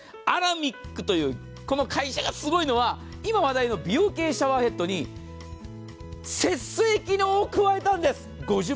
アラミックという会社がすごいのは、今話題の美容系シャワーヘッドに節水機能を加えたんです。